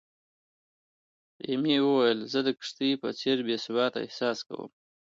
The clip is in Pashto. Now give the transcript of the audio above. ایمي ویلي، "زه د کښتۍ په څېر بې ثباته احساس کوم."